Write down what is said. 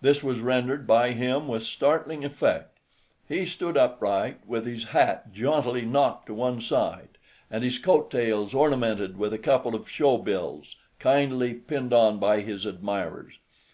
This was rendered by him with startling effect. He stood upright, with his hat jauntily knocked to one side, and his coat tails ornamented with a couple of show bills, kindly pinned on by his admirers.